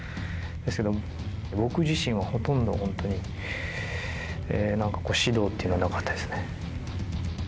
ですけど僕自身はほとんど本当に指導はなかったですね。